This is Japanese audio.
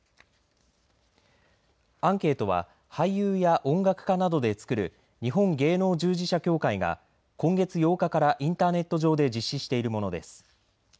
アンケートは俳優や音楽家などでつくる日本芸能従事者協会が今月８日からインターネット上で実施しているものです。